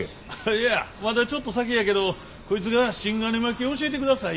いやまだちょっと先やけどこいつが芯金巻き教えてください